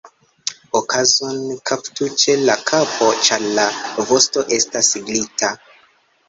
Okazon kaptu ĉe la kapo, ĉar la vosto estas glita.